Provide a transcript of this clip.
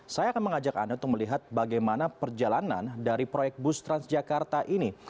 saya akan mengajak anda untuk melihat bagaimana perjalanan dari proyek bus transjakarta ini